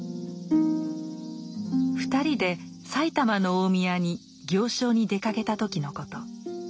２人で埼玉の大宮に行商に出かけた時のこと。